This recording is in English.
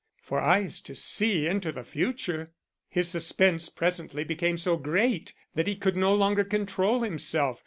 For eyes to see into the future! His suspense presently became so great that he could no longer control himself.